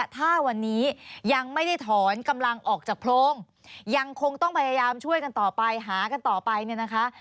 ถ้าวันนี้ยังไม่ได้ถอนกำลังออกจากโพรงยังคงต้องพยายามช่วยกันต่อไปหากันต่อไปเนี่ยนะคะ